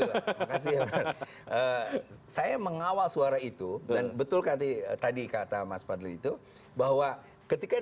kata tadi kata mas fadli itu bahwa ketika dari suara itu saya bisa mengawal suara itu dan betul kata mas fadli itu bahwa ketika dari suara itu dan betul kata tadi kata mas fadli itu bahwa ketika dari